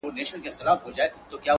چي وايي ـ